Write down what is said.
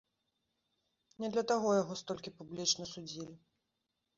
Не для таго яго столькі публічна судзілі.